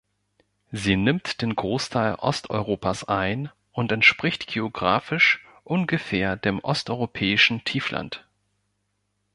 Sie nimmt den Großteil Osteuropas ein und entspricht geographisch ungefähr dem Osteuropäischen Tiefland.